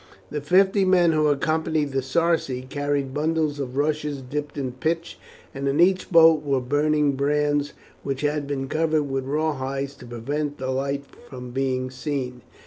The fifty men who accompanied the Sarci carried bundles of rushes dipped in pitch, and in each boat were burning brands which had been covered with raw hides to prevent the light being seen.